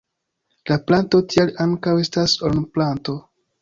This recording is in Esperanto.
La planto tial ankaŭ estas ornamplanto.